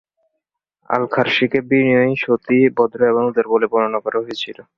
আল-খারর্শিকে বিনয়ী, সতী, ভদ্র এবং উদার বলে বর্ণনা করা হয়েছিল।